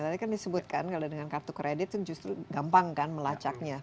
tadi kan disebutkan kalau dengan kartu kredit itu justru gampang kan melacaknya